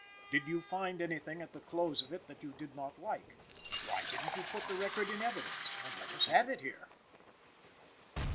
"Did you find anything at the close of it that you did not like? Why didn't you put that record in evidence, and let us have it here?"